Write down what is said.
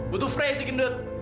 butuh frey si gendut